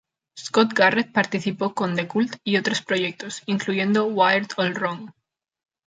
Scott Garret participó con The Cult y otros proyectos, incluyendo Wired All Wrong.